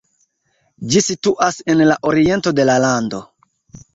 Ĝi situas en la oriento de la lando.